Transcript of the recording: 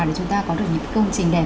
để chúng ta có được những công trình đẹp